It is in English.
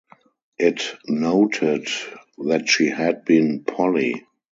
It noted that she had been "Polly".